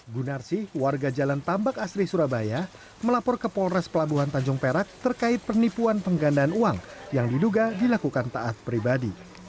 gunarsi warga jalan tambak asri surabaya melapor ke polres pelabuhan tanjung perak terkait penipuan penggandaan uang yang diduga dilakukan taat pribadi